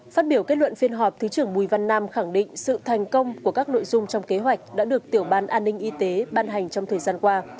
phát biểu kết luận phiên họp thứ trưởng bùi văn nam khẳng định sự thành công của các nội dung trong kế hoạch đã được tiểu ban an ninh y tế ban hành trong thời gian qua